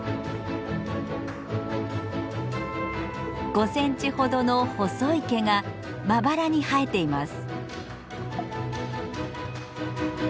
５センチほどの細い毛がまばらに生えています。